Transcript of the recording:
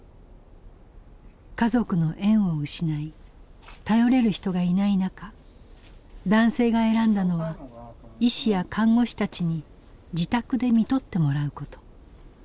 家族の縁を失い頼れる人がいない中男性が選んだのは医師や看護師たちに自宅で看取ってもらうこと。